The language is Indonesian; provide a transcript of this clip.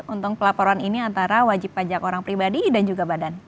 untuk pelaporan ini antara wajib pajak orang pribadi dan juga badan